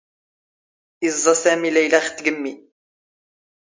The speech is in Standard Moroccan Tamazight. ⵉⵥⵥⴰ ⵙⴰⵎⵉ ⵍⴰⵢⵍⴰ ⵖ ⵜⴳⵎⵎⵉ.